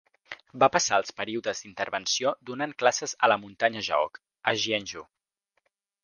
Va passar els períodes d'intervenció donant classes a la muntanya Jaok, a Gyeongju.